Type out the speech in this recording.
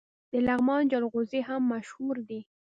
د لغمان جلغوزي هم مشهور دي.